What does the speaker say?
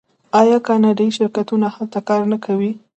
آیا کاناډایی شرکتونه هلته کار نه کوي؟